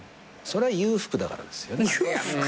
それは裕福だからですよね。